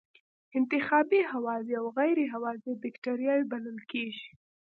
انتحابی هوازی او غیر هوازی بکټریاوې بلل کیږي.